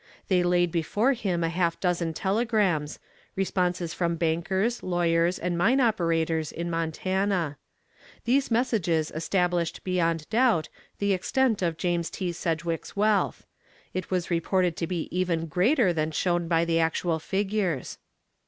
They laid before him a half dozen telegrams, responses from bankers, lawyers, and mine operators in Montana. These messages established beyond doubt the extent of James T. Sedgwick's wealth; it was reported to be even greater than shown by the actual figures.